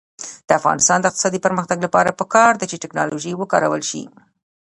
د افغانستان د اقتصادي پرمختګ لپاره پکار ده چې ټیکنالوژي وکارول شي.